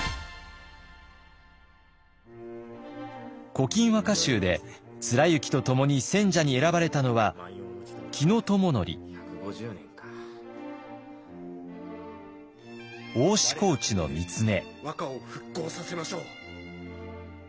「古今和歌集」で貫之と共に選者に選ばれたのはの３人。